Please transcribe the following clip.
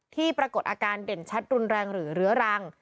ปรากฏอาการเด่นชัดรุนแรงหรือเรื้อรัง